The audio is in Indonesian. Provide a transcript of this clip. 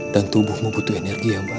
dan tubuhmu butuh energi yang baik